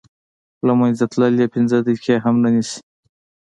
له منځه تلل یې پنځه دقیقې هم نه نیسي.